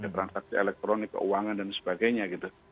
transaksi elektronik keuangan dan sebagainya gitu